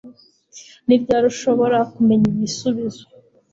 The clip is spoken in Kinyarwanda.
Ni ryari ushobora kumenyesha ibisubizo